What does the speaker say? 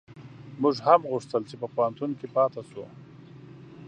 موږ هم غوښتل چي په پوهنتون کي پاته شو